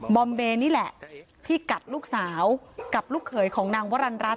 อมเบนี่แหละที่กัดลูกสาวกับลูกเขยของนางวรรณรัฐ